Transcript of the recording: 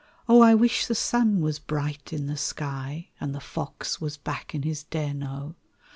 I WISH the sun was bright in the sky, And the fox was back in his den, O!